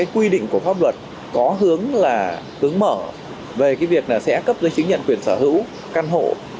quy định của pháp luật có hướng là hướng mở về việc sẽ cấp giấy chứng nhận quyền sở hữu căn hộ